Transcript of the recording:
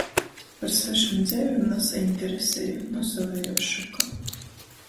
Par svešom dzeivem nasaiņtereseju, nu sovejuos šokā...